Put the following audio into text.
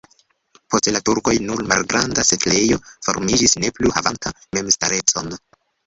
Post la turkoj nur malgranda setlejo formiĝis, ne plu havanta memstarecon.